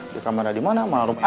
di kamarnya dimana mana rumahnya